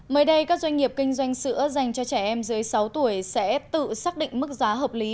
mới đây các doanh nghiệp kinh doanh sữa dành cho trẻ em dưới sáu tuổi sẽ tự xác định mức giá hợp lý